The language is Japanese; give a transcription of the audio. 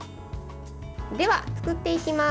では、作っていきます。